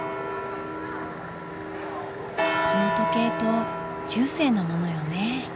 この時計塔中世のものよね。